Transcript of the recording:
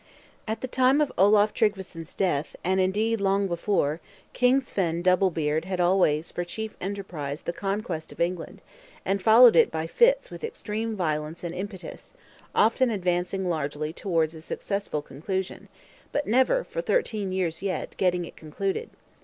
At the time of Olaf Tryggveson's death, and indeed long before, King Svein Double Beard had always for chief enterprise the Conquest of England, and followed it by fits with extreme violence and impetus; often advancing largely towards a successful conclusion; but never, for thirteen years yet, getting it concluded.